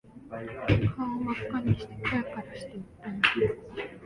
顔真っ赤にして声からして訴える